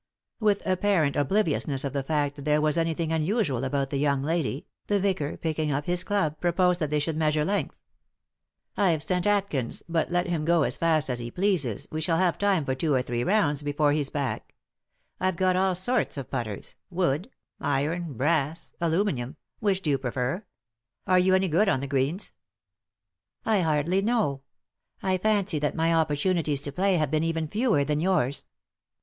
With apparent obliviousness of the fact that there was anything unusual about the young lady, the vicar, picking up his club, proposed that they should measure strength. " I've sent Atkins, but let him go as fast as he pleases, we shall have time for two or three rounds before he's back, I've got all sorts of putters — wood, iron, brass, aluminium — which do you prefer? Are you any good on the greens ?"" I hardly know. I fancy that my opportunities to play have been even fewer than yours."